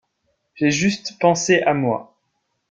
J’ai juste pensé à moi.